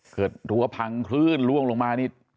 รั้วพังคลื่นล่วงลงมานี่